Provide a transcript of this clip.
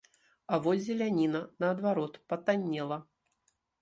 А вось зеляніна, наадварот, патаннела.